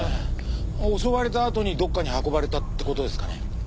襲われたあとにどこかに運ばれたって事ですかね？